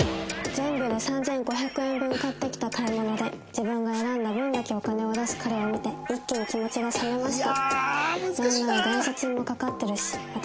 全部で３５００円分買ってきた買い物で自分が選んだ分だけお金を出す彼を見て一気に気持ちが冷めました。